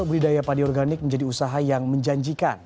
budidaya padi organik menjadi usaha yang menjanjikan